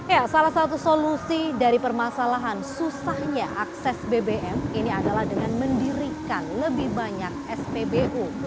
ya salah satu solusi dari permasalahan susahnya akses bbm ini adalah dengan mendirikan lebih banyak spbu